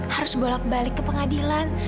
harus bolak balik ke pengadilan